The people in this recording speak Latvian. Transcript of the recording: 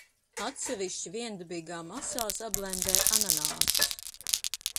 Atsevišķi viendabīgā masā sablendē ananāsus.